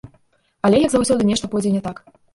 Але, як заўсёды, нешта пойдзе не так.